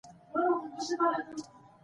د تاریخ مطالعه د انسان د پوهې کچه لوړوي.